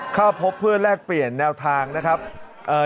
เข้าพบเพื่อนแลกเปลี่ยนแนวเข้าไป